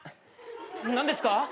何ですか？